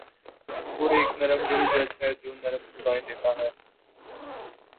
وہ ایک نرم دل جج ہے جو نرم سزایئں دیتا `ہے